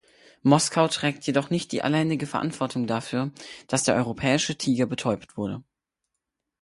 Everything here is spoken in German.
Moskau trägt jedoch nicht alleine die Verantwortung dafür, dass der europäische Tiger betäubt wurde.